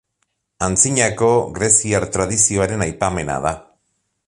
Antzinako greziar tradizioaren aipamena da.